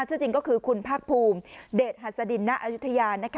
ชื่อจริงก็คือคุณภาคภูมิเดชหัสดินณอายุทยา